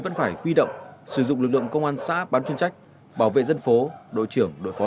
vẫn phải huy động sử dụng lực lượng công an xã bán chuyên trách bảo vệ dân phố đội trưởng đội phó